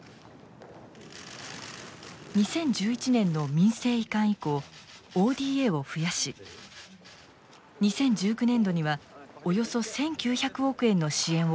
２０１１年の民政移管以降ＯＤＡを増やし２０１９年度にはおよそ１，９００億円の支援を行ってきました。